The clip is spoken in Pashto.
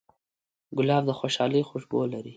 ګلاب د خوشحالۍ خوشبو لري.